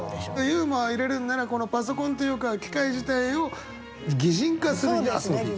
ユーモア入れるんならこのパソコンというか機械自体を擬人化する。